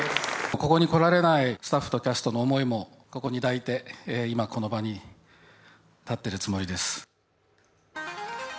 ここに来られないスタッフとキャストの思いもここに抱いて、今この場に立っているつもりです。